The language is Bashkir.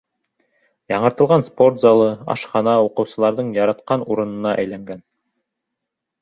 Яңыртылған спорт залы, ашхана уҡыусыларҙың яратҡан урынына әйләнгән.